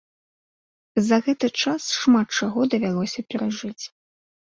За гэты час шмат чаго давялося перажыць.